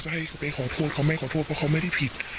ให้เขาไปขอโทษเขาไม่ขอโทษเพราะเขาไม่ได้ผิด